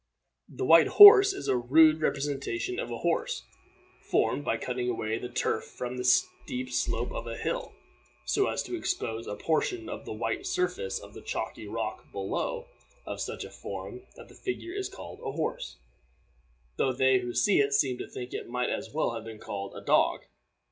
The White Horse is a rude representation of a horse, formed by cutting away the turf from the steep slope of a hill, so as to expose a portion of the white surface of the chalky rock below of such a form that the figure is called a horse, though they who see it seem to think it might as well have been called a dog.